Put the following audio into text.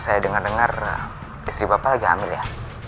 saya dengar dengar istri bapak lagi hamil ya